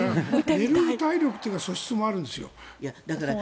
寝る体力という素質もあるんですよ。